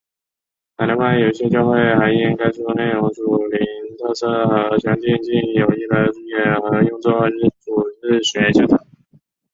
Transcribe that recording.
海内外一些教会还因该书内容的属灵特色和详尽且有益的注解而用作主日学教材。